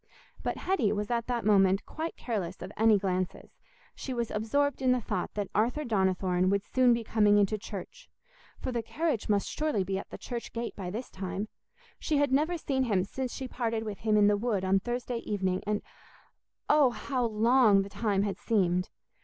But Hetty was at that moment quite careless of any glances—she was absorbed in the thought that Arthur Donnithorne would soon be coming into church, for the carriage must surely be at the church gate by this time. She had never seen him since she parted with him in the wood on Thursday evening, and oh, how long the time had seemed!